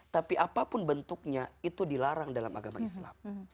tapi apapun bentuknya itu dilarang dalam agama islam